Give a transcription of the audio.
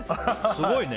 すごいね。